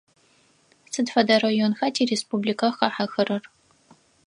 Сыд фэдэ районха тиреспубликэ хахьэхэрэр?